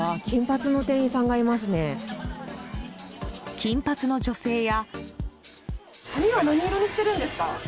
金髪の女性や。